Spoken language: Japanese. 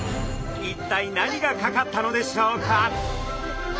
一体何がかかったのでしょうか？